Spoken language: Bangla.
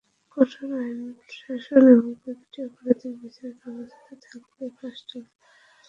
কঠোর আইনের শাসন এবং প্রতিটি অপরাধের বিচারের ব্যবস্থা থাকলে ফাঁসটা আলগা হতো।